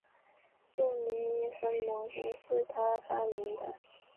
著名的易辛模型是他发明的。